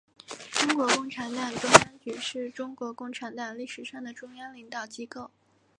中国共产党中央局是中国共产党历史上的中央领导机构。